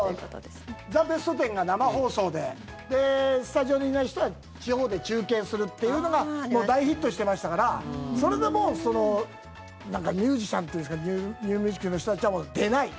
だから、要は「ザ・ベストテン」が生放送でスタジオにいない人は地方で中継するっていうのがもう大ヒットしてましたからそれでもうミュージシャンというんですかニューミュージックの人たちはもう出ない。